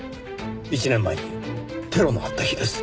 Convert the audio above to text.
１年前にテロのあった日です。